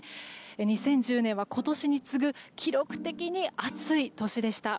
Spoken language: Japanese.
２０１０年は今年に次ぐ記録的に暑い年でした。